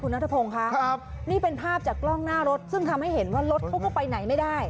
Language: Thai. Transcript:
นัทพงศ์ค่ะครับนี่เป็นภาพจากกล้องหน้ารถซึ่งทำให้เห็นว่ารถเขาก็ไปไหนไม่ได้